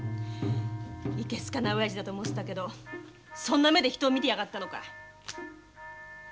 いけ好かないオヤジだと思ってたけどそんな目で人を見てやがったのか。